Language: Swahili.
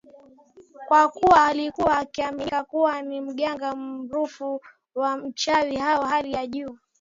kwa kuwa alikuwa akiaminika kuwa ni mganga maarufu na mchawi wa hali ya juu